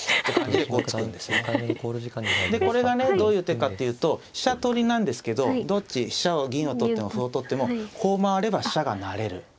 でこれがねどういう手かっていうと飛車取りなんですけどどっち銀を取っても歩を取ってもこう回れば飛車が成れる。